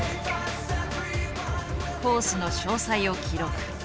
コースの詳細を記録。